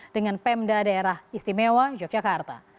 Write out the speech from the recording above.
dengan pemda daerah istimewa yogyakarta